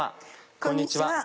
こんにちは。